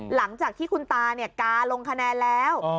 หลังจากที่คุณตากาลงคะแนนแล้ว